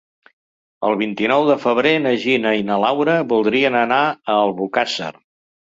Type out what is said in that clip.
El vint-i-nou de febrer na Gina i na Laura voldrien anar a Albocàsser.